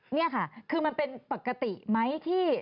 นี่ค่ะคือมันเป็นปกติไหมที่